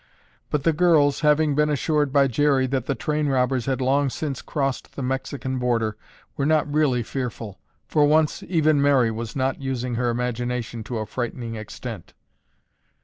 But the girls, having been assured by Jerry that the train robbers had long since crossed the Mexican border, were not really fearful. For once, even Mary was not using her imagination to a frightening extent.